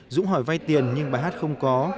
dũng hỏi vay tiền nhưng bà hát không có